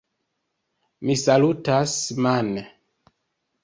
Mi salutas mane.